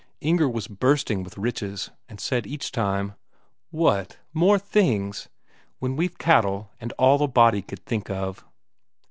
Inger was bursting with riches, and said each time: "What, more things! When we've cattle and all a body could think of!"